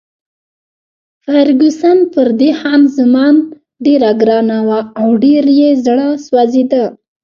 فرګوسن پر دې خان زمان ډېره ګرانه وه او ډېر یې زړه سوځېده.